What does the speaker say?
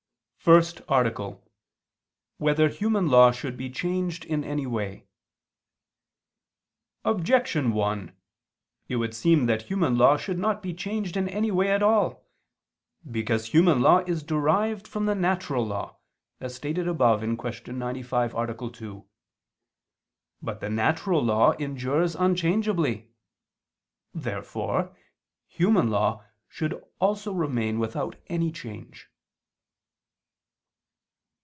________________________ FIRST ARTICLE [I II, Q. 97, Art. 1] Whether Human Law Should Be Changed in Any Way? Objection 1: It would seem that human law should not be changed in any way at all. Because human law is derived from the natural law, as stated above (Q. 95, A. 2). But the natural law endures unchangeably. Therefore human law should also remain without any change.